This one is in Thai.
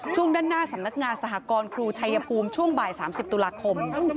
ช่วงด้านหน้าสำนักงานสหกรครูชายภูมิช่วงบ่าย๓๐ตุลาคม